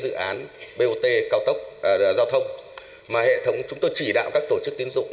với các dự án bot cao tốc giao thông mà hệ thống chúng tôi chỉ đạo các tổ chức tính dụng